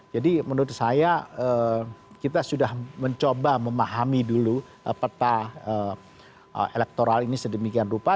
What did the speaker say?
jadi menurut saya kita sudah mencoba memahami dulu peta elektoral ini sedemikian rupa